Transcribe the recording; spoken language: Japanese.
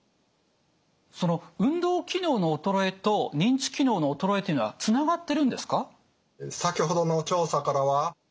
その運動機能の衰えと認知機能の衰えというのはつながってるんですか？